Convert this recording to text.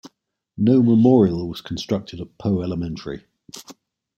No memorial was constructed at Poe Elementary.